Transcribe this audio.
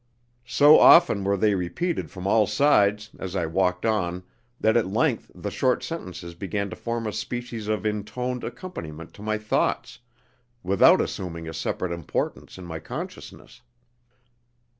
So often were they repeated from all sides as I walked on that at length the short sentences began to form a species of intoned accompaniment to my thoughts, without assuming a separate importance in my consciousness.